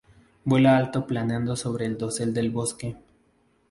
Vuela alto planeando sobre el dosel del bosque.